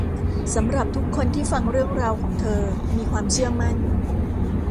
สำหรับทุกคนที่ฟังเรื่องราวของเธอมีความเชื่อมั่น